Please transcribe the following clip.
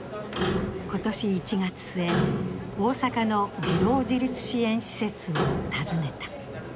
今年１月末、大阪の児童自立支援施設を訪ねた。